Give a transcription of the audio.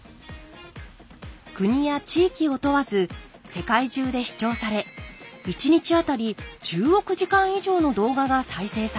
国や地域を問わず世界中で視聴され１日あたり１０億時間以上の動画が再生されています。